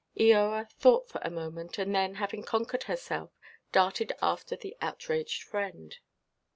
Eoa thought for a moment, and then, having conquered herself, darted after the outraged friend.